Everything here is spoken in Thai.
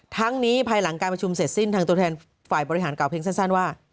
ทั้งนี้ภายหลังการประชุมเสร็จสิ้นทางตัวแทนฝ่ายบริหารกล่าเพียงสั้นว่า